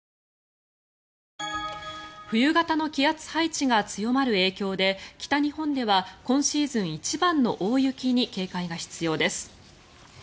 冬型の気圧配置が強まる影響で北日本では今シーズン一番の大雪に警戒が必要です。